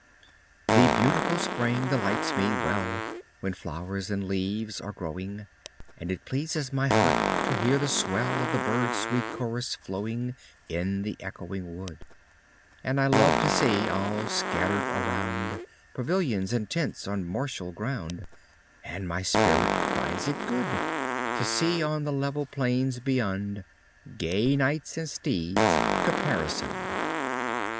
The beautiful spring delights me well. When flowers and leaves are growing; And it pleases my heart to hear the swell Of the birds' sweet chorus flowing In the echoing wood; And I love to see all scattered around Pavilions and tents on martial ground; And my spirit finds it good To see on the level plains beyond Gay knights and steeds caparison'd.